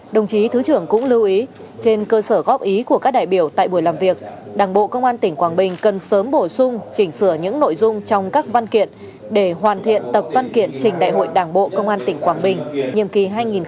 đồng chí thứ trưởng cũng lưu ý trên cơ sở góp ý của các đại biểu tại buổi làm việc đảng bộ công an tỉnh quảng bình cần sớm bổ sung chỉnh sửa những nội dung trong các văn kiện để hoàn thiện tập văn kiện trình đại hội đảng bộ công an tỉnh quảng bình nhiệm kỳ hai nghìn hai mươi hai nghìn hai mươi năm